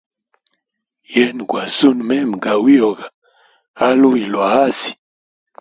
Yena gwa sune mema ga uyoga aluyi lwa asi.